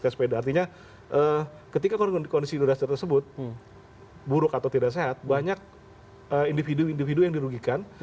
artinya ketika kondisi indonesia tersebut buruk atau tidak sehat banyak individu individu yang dirugikan